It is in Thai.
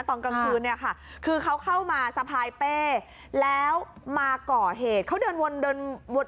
ตอนกลางคืนเนี่ยค่ะคือเขาเข้ามาสะพายเป้แล้วมาก่อเหตุเขาเดินวนเดินวน